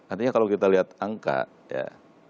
artinya kalau kita lihat angka ya